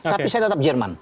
tapi saya tetap jerman